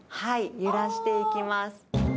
揺らしていきます。